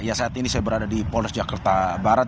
ya saat ini saya berada di polres jakarta barat